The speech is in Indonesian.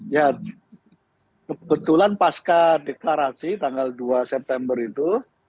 ya kebetulan pas ke deklarasi tanggal dua september itu